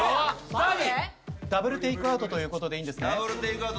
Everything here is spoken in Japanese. ダブルテイクアウトということでいいんですね？